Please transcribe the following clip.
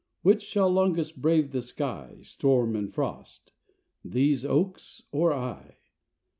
Which shall longest brave the sky, Storm and frost these oaks or I?